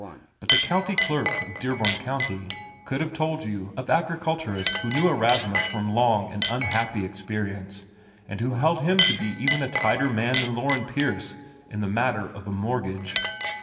But the County Clerk of Dearborn County could have told you of agriculturists who knew Erastus from long and unhappy experience, and who held him to be even a tighter man than Loren Pierce in the matter of a mortgage.